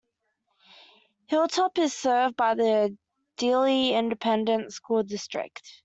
Hilltop is served by the Dilley Independent School District.